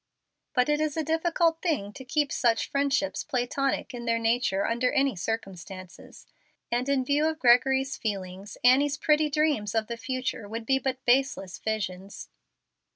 But it is a difficult thing to keep such friendships Platonic in their nature under any circumstances, and in view of Gregory's feelings, Annie's pretty dreams of the future would be but baseless visions.